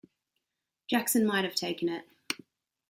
Jackson might have taken it.